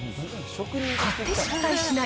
買って失敗しない！